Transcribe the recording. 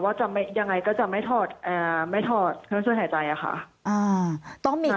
ว่าจะยังไงก็จะไม่ถอดเครื่องช่วยหายใจค่ะ